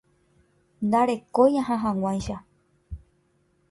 Ndarekói aha hag̃uáicha.